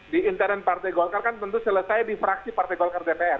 di intern partai golkar kan tentu selesai di fraksi partai golkar dpr